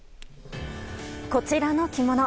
こちらの着物。